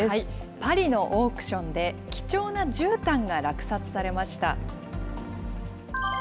パリのオークションで貴重なじゅうたんが落札されました。